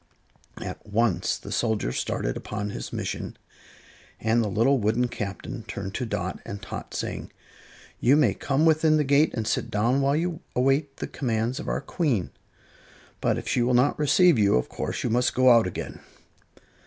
At once the soldier started upon his mission, and the little wooden Captain turned to Dot and Tot, saying, "You may come within the gate and sit down while you await the commands of our Queen; but if she will not receive you, of course you must go out again."